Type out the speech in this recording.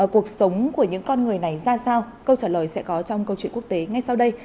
cuộc sống của những con người này ra sao câu trả lời sẽ có trong câu chuyện quốc tế ngay sau đây